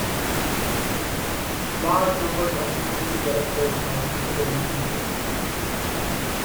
Large numbers of enemy characters are typically featured.